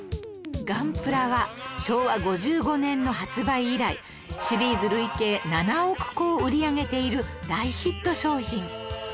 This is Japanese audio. ガンプラは昭和５５年の発売以来シリーズ累計７億個を売り上げている大ヒット商品